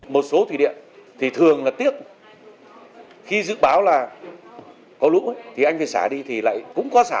một số thủy điện thì thường là tiếc khi dự báo là có lũ thì anh phải xả đi thì lại cũng có xả